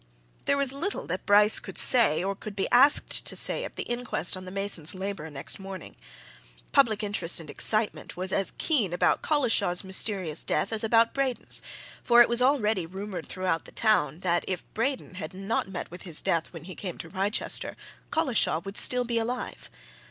There was little that Bryce could say or could be asked to say at the inquest on the mason's labourer next morning. Public interest and excitement was as keen about Collishaw's mysterious death as about Braden's, for it was already rumoured through the town that if Braden had not met with his death when he came to Wrychester, Collishaw would still be alive.